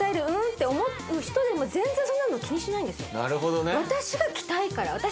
うんって思う人でも全然そんなの気にしないんですよ。